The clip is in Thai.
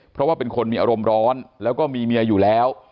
เพราะว่าเป็นคนมีอารมณ์ร้อนแล้วก็มีเมียอยู่แล้ว